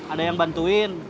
ada yang bantuin